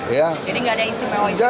jadi nggak ada istimewa istimewa